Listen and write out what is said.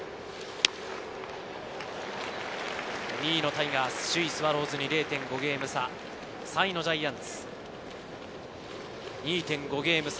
２位タイガース、首位スワローズに０．５ゲーム差、３位ジャイアンツ、２．５ゲーム差。